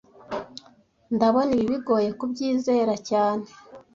Ndabona ibi bigoye kubyizera cyane